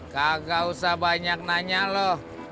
kagak usah banyak nanya loh